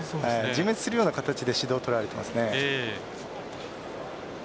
自滅するような形で指導を取られていますね。